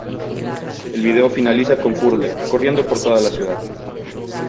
El vídeo finaliza con Furler corriendo por toda la ciudad.